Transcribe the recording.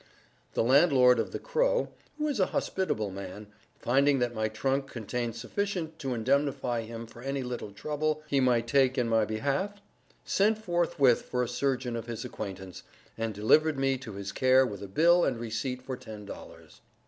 The landlord of the "Crow," who is a hospitable man, finding that my trunk contained sufficient to indemnify him for any little trouble he might take in my behalf, sent forthwith for a surgeon of his acquaintance, and delivered me to his care with a bill and receipt for ten dollars.